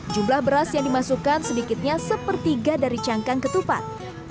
jumlah beras yang dimasukkan sedikitnya sepertiga dari cangkang ketupat